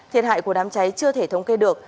thiệt hại của đám cháy chưa thể thống kê được